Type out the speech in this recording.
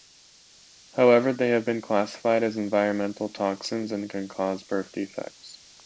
However, they have been classified as environmental toxins and can cause birth defects.